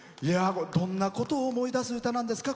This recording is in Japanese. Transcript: どんなことを思い出す歌なんですか？